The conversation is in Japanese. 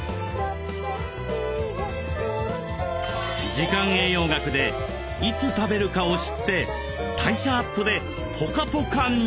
「時間栄養学」でいつ食べるかを知って代謝アップでポカポカに！